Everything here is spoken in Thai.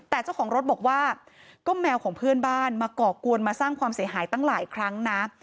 แต่เจ้าของรถบอกว่าก็แมวของเพื่อนบ้านมาก่อกวนมาสร้างความเสียหายตั้งหลายครั้งนะ